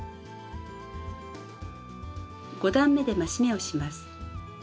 ５段めで増し目をします。